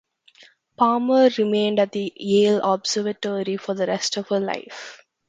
Palmer remained at the Yale Observatory for the rest of her life.